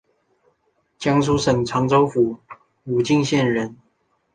江苏省常州府武进县人。